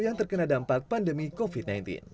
yang terkena dampak pandemi covid sembilan belas